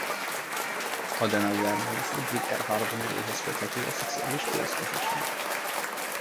Adenauer mellett Ludwig Erhard nevéhez köthető a szociális piacgazdaság.